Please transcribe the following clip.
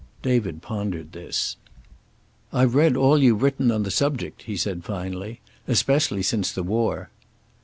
David pondered this. "I've read all you've written on the subject," he said finally. "Especially since the war."